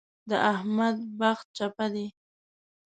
د احمد بخت چپه دی.